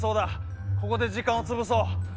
ここで時間を潰そう。